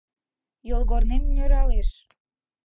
Йолгорнем нӧралеш.